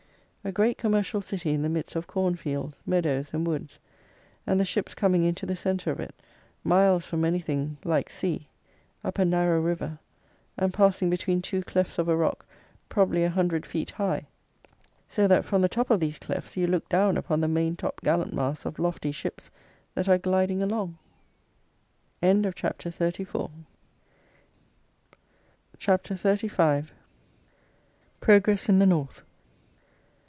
A great commercial city in the midst of corn fields, meadows and woods, and the ships coming into the centre of it, miles from anything like sea, up a narrow river, and passing between two clefts of a rock probably a hundred feet high; so that from the top of these clefts, you look down upon the main top gallant masts of lofty ships that are gliding along! PROGRESS IN THE NORTH.